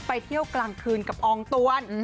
ไปเที่ยวกลางคืนกับอองตวน